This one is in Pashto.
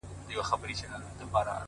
هوښیار انتخاب راتلونکې اندېښنې کموي’